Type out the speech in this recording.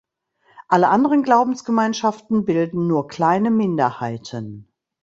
Alle anderen Glaubensgemeinschaften bilden nur kleine Minderheiten.